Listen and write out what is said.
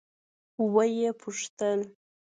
ويې پوښتل.